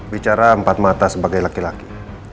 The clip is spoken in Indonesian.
bicara empat mata sebagai laki laki